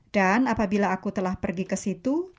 dan apabila aku telah pergi ke situ